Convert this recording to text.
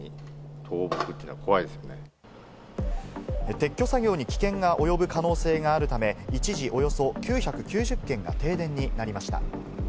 撤去作業に危険が及ぶ可能性があるため、一時およそ９９０軒が停電になりました。